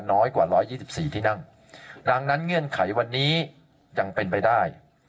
น้อยกว่าร้อยยี่สิบสี่ที่นั่งดังนั้นเงื่อนไขวันนี้ยังเป็นไปได้